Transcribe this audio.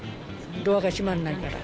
ドアが閉まらないから。